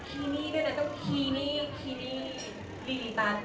คีนี่ด้วยนะเจ้าคีนี่คีนี่ดีดีตัด